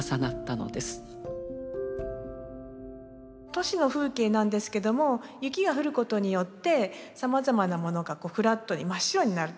都市の風景なんですけども雪が降ることによってさまざまなものがフラットに真っ白になる。